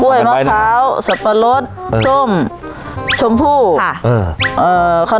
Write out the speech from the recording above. กล้วยมะพร้าวสัตว์ปะรดส้มชมพู่ค่ะเอ่อเอ่อ